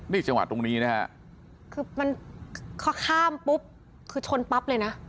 นี่จังหวะตรงนี้นะฮะคือมันพอข้ามปุ๊บคือชนปั๊บเลยนะ